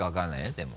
でも。